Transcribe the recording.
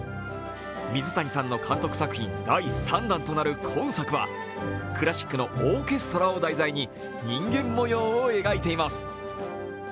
水谷さんの監督作品第３弾となる今作はクラシックのオーケストラを題材に人間もようを描いています。